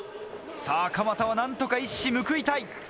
さぁ鎌田は何とか一矢報いたい。